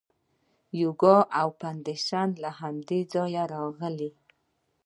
یوګا او میډیټیشن له همدې ځایه راغلي.